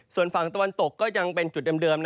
ส่วนฝั่งตะวันตกก็ยังเป็นจุดเดิม